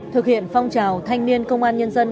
thực hiện phong trào thanh niên công an nhân dân